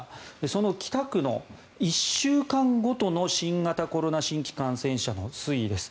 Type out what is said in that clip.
その北区の１週間ごとの新型コロナ新規感染者の推移です。